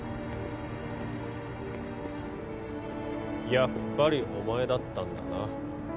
やっぱりお前だったんだな